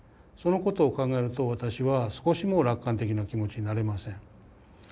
そのことを考えると私は少しも楽観的な気持ちになれません。